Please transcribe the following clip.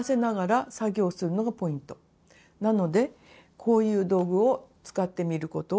なのでこういう道具を使ってみることをおすすめします。